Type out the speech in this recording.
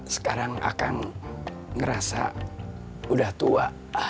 sekarang akan ngerasa udah tua